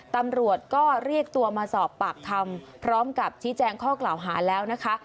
ตำรวจก็เรียกตัวมาสอบปากคำพร้อมกับชี้แจงข้อกล่าวหาแล้วนะคะ